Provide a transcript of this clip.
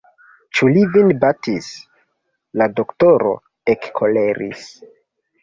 Ĉu li vin batis!? La doktoro ekkoleris.